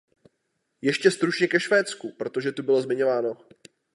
Ještě stručně ke Švédsku, protože tu bylo zmiňováno.